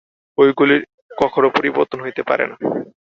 ঐগুলির কখনও পরিবর্তন হইতে পারে না।